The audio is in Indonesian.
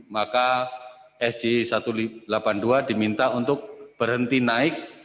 maka sj satu ratus delapan puluh dua diminta untuk berhenti naik